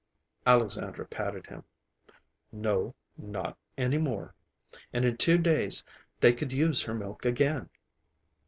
Alexandra patted him. "No, not any more. And in two days they could use her milk again."